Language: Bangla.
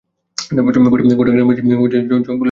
গোটা গ্রামবাসী জঙ্গলে ওদের খোঁজ করে।